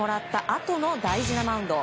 あとの大事なマウンド。